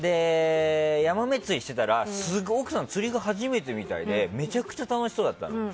ヤマメ釣りをしていたら奥さん、釣りが初めてみたいでめちゃくちゃ楽しそうだったの。